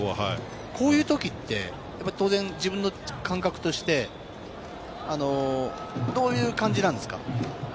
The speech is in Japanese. こういうときって当然自分の感覚として、どういう感じなんですか？